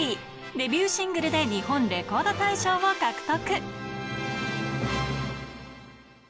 デビューシングルで日本レコード大賞を獲得。